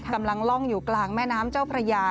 กำลังล่องอยู่กลางแม่น้ำเจ้าพระยา